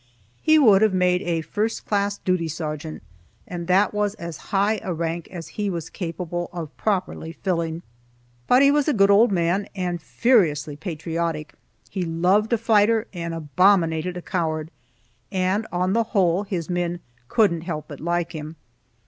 He would have made a first class duty sergeant, and that was as high a rank as he was capable of properly filling. But he was a good old man, and furiously patriotic. He loved a fighter and abominated a coward, and, on the whole, his men couldn't help but like him.